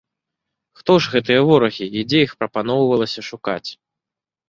Хто ж гэтыя ворагі і дзе іх прапаноўвалася шукаць?